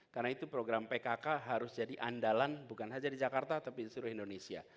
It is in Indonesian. karena itu program pkk harus jadi andalan bukan saja di jakarta tapi di seluruh indonesia